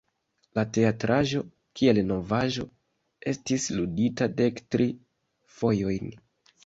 La teatraĵo, kiel novaĵo, estis ludita dektri fojojn.